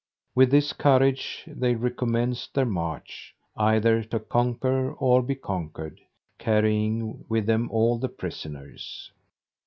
With this courage they recommenced their march, either to conquer or be conquered; carrying with them all the prisoners.